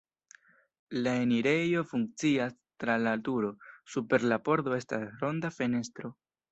La enirejo funkcias tra la turo, super la pordo estas ronda fenestro.